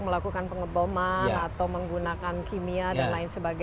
melakukan pengeboman atau menggunakan kimia dan lain sebagainya